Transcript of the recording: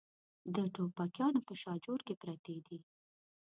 د ټوپکیانو په شاجور کې پرتې دي.